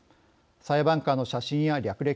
裁判官の写真や略歴